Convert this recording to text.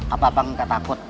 apa abang gak takut